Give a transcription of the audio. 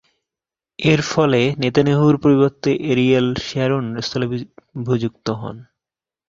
এরফলে নেতানিয়াহু’র পরিবর্তে Ariel Sharon স্থলাভিষিক্ত হন।